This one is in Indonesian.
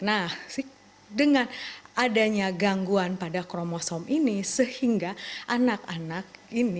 nah dengan adanya gangguan pada kromosom ini sehingga anak anak ini